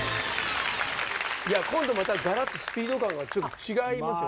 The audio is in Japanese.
今度またがらっとスピード感がちょっと違いますよね。